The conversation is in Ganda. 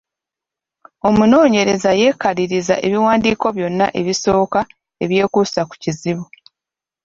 Omunoonyereza yeekaliriza ebiwandiiko byonna ebisoka ebyekuusa ku kizibu.